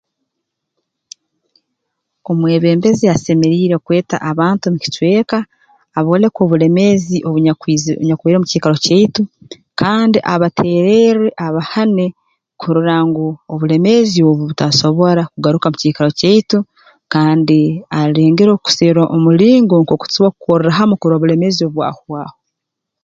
Omwebembezi asemeriire kweta abantu mu kicweka abooleke obulemeezi obunyakwizi obunyakubaireho mu kiikaro kyaitu kandi abateererre abahane kurora ngu obulemeezi obu butasobora kugaruka mu kiikaro kyaitu kandi alengereho kuserra omulingo nk'oku tusobora kukorra hamu kurora ngu obulemeezi obu bwahwaho